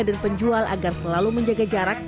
dan penjual agar selalu menjaga jarak